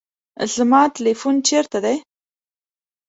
زما تلیفون چیرته دی؟